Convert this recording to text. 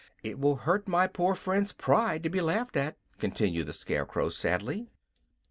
It will hurt my poor friend's pride to be laughed at," continued the Scarecrow, sadly.